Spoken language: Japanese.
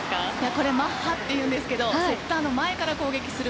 これマッハというんですけどセッターの前から攻撃する